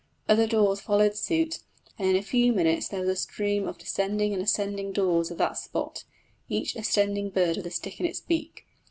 Other daws followed suit, and in a few minutes there was a stream of descending and ascending daws at that spot, every ascending bird with a stick in his beak.